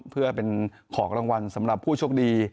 เพื่อเป็นของรางวัลสำหรับผู้โชคดี